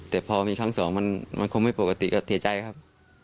แต่พอมีครั้งสองมันคงไม่ปกติก็เสียใจครับ